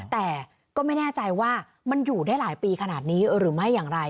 แต่ก็ไม่แน่ใจว่ามันอยู่ได้หลายปีขนาดนี้หรือไม่อย่างไร